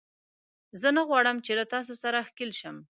زه نه غواړم چې له تاسو سره ښکېل شم